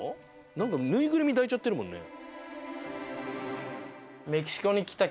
何か縫いぐるみ抱いちゃってるもんね。